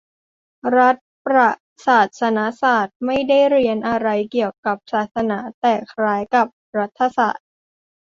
รัฐประศาสนศาสตร์ ไม่ได้เรียนอะไรเกี่ยวกับศาสนา แต่จะคล้ายกับรัฐศาสตร์